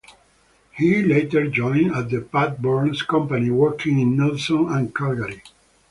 He later joined the Pat Burns Company, working in Nelson and Calgary.